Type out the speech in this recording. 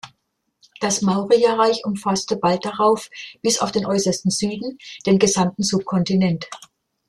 Das Mauryareich umfasste bald darauf bis auf den äußersten Süden den gesamten Subkontinent.